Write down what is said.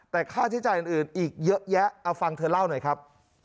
แต่ค่าใช้จ่ายอื่นอีกเยอะแยะเอาฟังเธอเล่าหน่อยครับ